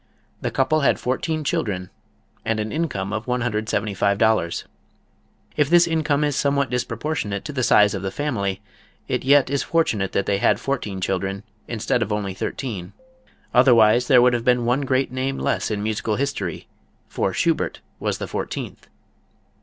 The couple had fourteen children and an income of $175. If this income is somewhat disproportionate to the size of the family, it yet is fortunate that they had fourteen children instead of only thirteen. Otherwise there would have been one great name less in musical history, for Schubert was the fourteenth.